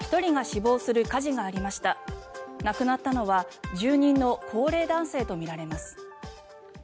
亡くなったのは住人の高齢男性とみられます。